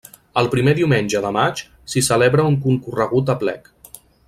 El primer diumenge de maig s'hi celebra un concorregut aplec.